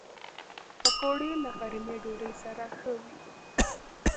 پکورې له غرمې ډوډۍ سره ښه وي